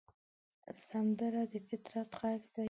سندره د فطرت غږ دی